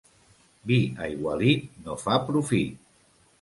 Vi aigualit no fa profit.